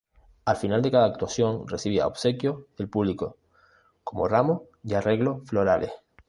Al final de cada actuación recibía obsequios del público, como ramos y arreglos florales.